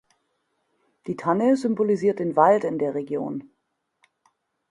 Die Tanne symbolisiert den Wald in der Region.